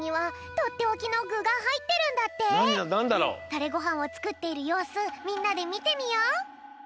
タレごはんをつくっているようすみんなでみてみよう！